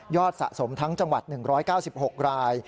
สะสมทั้งจังหวัด๑๙๖ราย